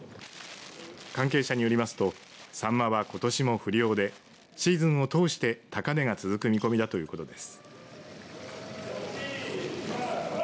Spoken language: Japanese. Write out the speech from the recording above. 関係者によりますとサンマはことしも不漁でシーズンを通して高値が続く見込みだということです。